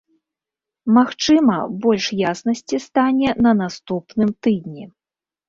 Магчыма, больш яснасці стане на наступным тыдні.